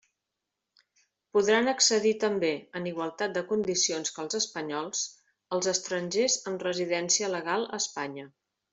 Podran accedir també, en igualtat de condicions que els espanyols, els estrangers amb residència legal a Espanya.